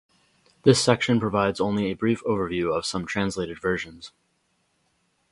This section provides only a brief overview of some translated versions.